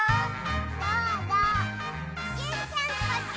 どうぞジュンちゃんこっち！